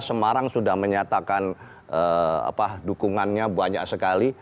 semarang sudah menyatakan dukungannya banyak sekali